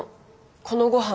このごはん。